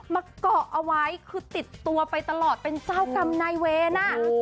มาเกาะเอาไว้คือติดตัวไปตลอดเป็นเจ้ากรรมนายเวร